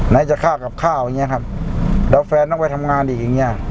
ไหนจะฆ่ากับข้าวอย่างนี้ครับแล้วแฟนต้องไปทำงานอีกอย่างเงี้ย